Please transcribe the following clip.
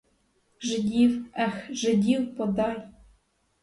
Жидів, ех, жидів подай!